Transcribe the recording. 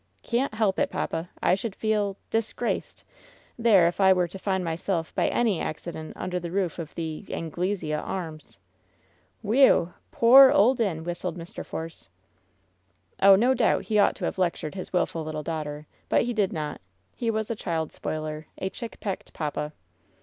"Can't help it, papa ! I should feel — disgraced — ^there if I were to find myself by any accident under the roof of the — Anglesea Arms." "Whe ew ew I Poor, old inn," whistled Mr. Force. Oh, no doubt he ought to have lectured his wilful little daughter ; but he did not. He was a child spoiler, a chickpecked papa.